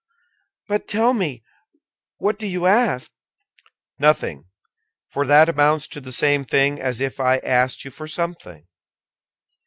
"But, tell me, what do you ask?" "Nothing; for that amounts to the same thing as if I asked you for something."